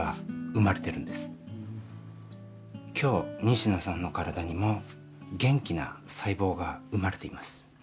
今日仁科さんの体にも元気な細胞が生まれています。